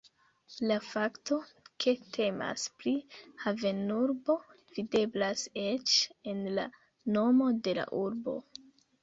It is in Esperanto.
La fakto ke temas pri havenurbo videblas eĉ en la nomo de la urbo.